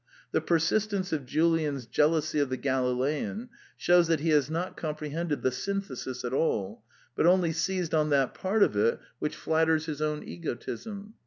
The persist ence of Julian's jealousy of the Galilean shews that he has not comprehended the synthesis at all, but only seized on that part of it which flatters 76 The Quintessence of Ibsenism his own egotisijfi.